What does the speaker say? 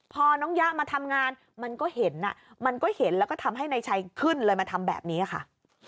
พอน้องยะมาทำงานมันก็เห็นมันก็เห็นแล้วก็ทำให้นายชัยขึ้นเลยมาทำแบบนี้ค่ะ